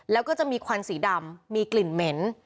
แล้วก็จะมีควันสีดำมีกลิ่นเหม็น